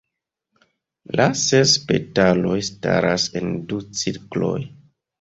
La ses petaloj staras en du cirkloj.